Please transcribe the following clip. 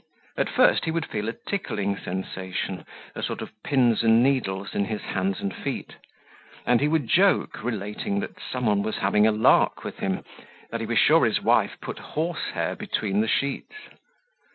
At first he would feel a tickling sensation, a sort of pins and needles in his hands and feet; and he would joke, relating that someone was having a lark with him, that he was sure his wife put horse hair between the sheets.